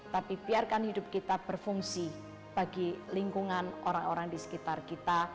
tapi biarkan hidup kita berfungsi bagi lingkungan orang orang di sekitar kita